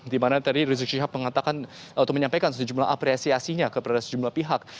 di mana tadi rizik syihab mengatakan atau menyampaikan sejumlah apresiasinya kepada sejumlah pihak